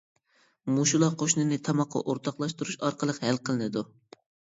مۇشۇلا قوشنىنى تاماققا ئورتاقلاشتۇرۇش ئارقىلىق ھەل قىلىنىدۇ.